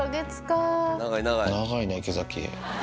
長いな、池崎。